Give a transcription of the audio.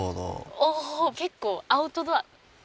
おお結構アウトドアだね。